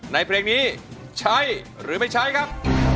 เพลงนี้ใช้หรือไม่ใช้ครับ